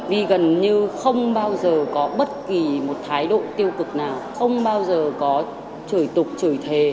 vì gần như không bao giờ có bất kỳ một thái độ tiêu cực nào không bao giờ có trời tục chửi thề